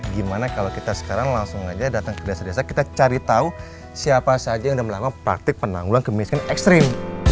gimana kalau kita sekarang langsung aja datang ke desa desa kita cari tahu siapa saja yang sudah melakukan praktik penanggulan kemiskinan ekstrim